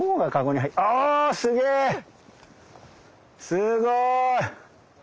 すごい！